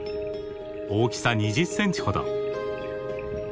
大きさ２０センチほど。